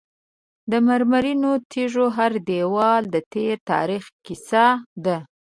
د مرمرینو تیږو هر دیوال د تیر تاریخ کیسه ده.